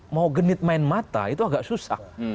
mau genit main mata itu agak susah